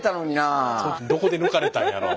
どこで抜かれたんやろ。